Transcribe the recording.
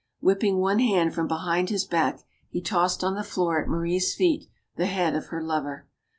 Whipping one hand from behind his back, he tossed on the floor at Marie's feet the head of her lover.